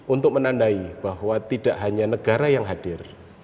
untuk menandai bahwa tidak hanya negara yang hadir